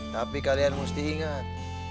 tapi kalian mesti ingat